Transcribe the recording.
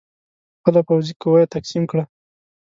خپله پوځي قوه یې تقسیم کړه.